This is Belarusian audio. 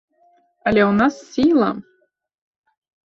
Але ў нас сіла.